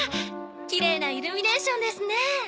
きれいなイルミネーションですね。